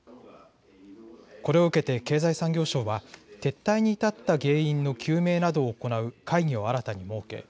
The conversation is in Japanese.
これを受けて経済産業省は撤退に至った原因の究明などを行う会議を新たに設け